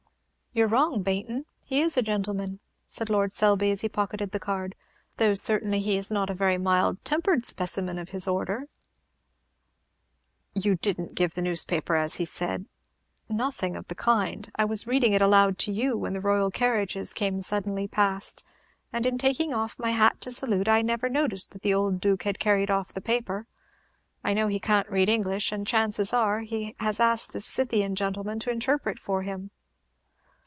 "You're wrong, Baynton, he is a gentleman," said Lord Selby, as he pocketed the card, "though certainly he is not a very mild tempered specimen of his order." "You did n't give the newspaper as he said " "Nothing of the kind. I was reading it aloud to you when the royal carriages came suddenly past; and, in taking off my hat to salute, I never noticed that the old Duke had carried off the paper. I know he can't read English, and the chances are, he has asked this Scythian gentleman to interpret for him."